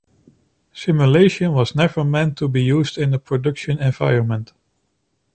Simulation was never meant to be used in a production environment.